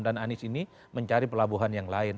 dan anis ini mencari pelabuhan yang lain